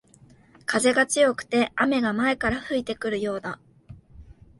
風が強くて雨が前から吹いてくるようだ